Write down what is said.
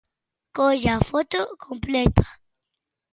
Colla a foto completa.